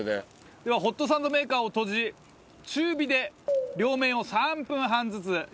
ではホットサンドメーカーを閉じ中火で両面を３分半ずつ焼けば完成です。